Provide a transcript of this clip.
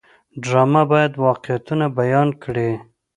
ډرامه باید واقعیتونه بیان کړي